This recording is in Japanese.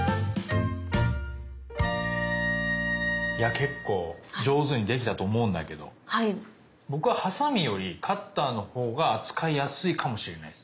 結構上手に出来たと思うんだけど僕はハサミよりカッターのほうが扱いやすいかもしれないです。